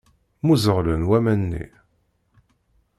Mmuẓeɣlen waman-nni.